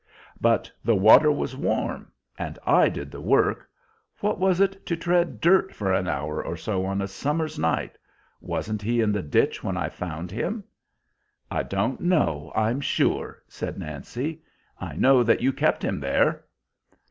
"But the water was warm! And I did the work. What was it to tread dirt for an hour or so on a summer's night? Wasn't he in the ditch when I found him?" "I don't know, I'm sure," said Nancy. "I know that you kept him there."